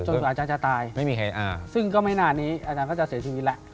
จนสุดอาจารย์จะตายซึ่งก็ไม่นานนี้อาจารย์ก็จะเสียชีวิตแล้ว